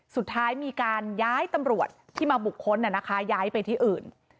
สุดท้ายมีการย้ายตำรวจที่มาบุคคลย้ายไปที่อื่น